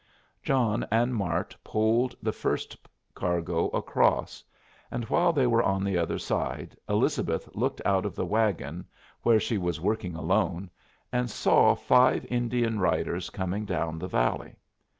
John and Mart poled the first cargo across, and while they were on the other side, Elizabeth looked out of the wagon, where she was working alone, and saw five Indian riders coming down the valley.